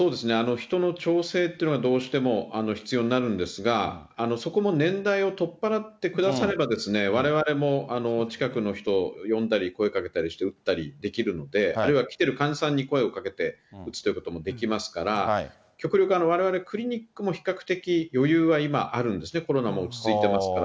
人の調整っていうのが、どうしても必要になるんですが、そこも年代を取っ払ってくだされば、われわれも近くの人、呼んだり、声かけたりして打ったりできるので、あるいは来てる患者さんに声をかけて打つということもできますから、極力われわれクリニックも比較的余裕は今あるんですね、コロナが落ち着いてますから。